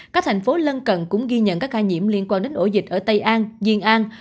các thành phố lân cận cũng ghi nhận các ca nhiễm liên quan đến ổ dịch ở tây an diên an